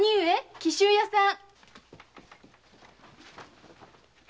紀州屋さん。